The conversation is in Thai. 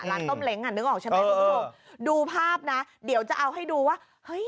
ต้มเล้งอ่ะนึกออกใช่ไหมคุณผู้ชมดูภาพนะเดี๋ยวจะเอาให้ดูว่าเฮ้ย